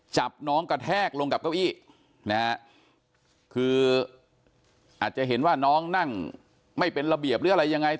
จับน้องกระแทกลงกับเก้าอี้นะฮะคืออาจจะเห็นว่าน้องนั่งไม่เป็นระเบียบหรืออะไรยังไง